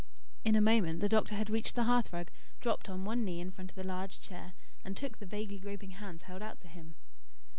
In a moment the doctor had reached the hearth rug, dropped on one knee in front of the large chair, and took the vaguely groping hands held out to him.